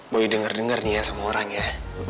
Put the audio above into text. boleh denger denger nih ya sama orang ya